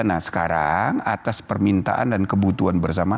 nah sekarang atas permintaan dan kebutuhan bersama